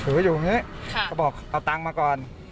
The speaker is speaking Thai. ถืออยู่อยู่นี่บอกเอาตังค์มาก่อน